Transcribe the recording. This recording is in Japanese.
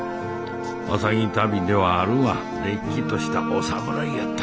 浅葱足袋ではあるがれっきとしたお侍やった。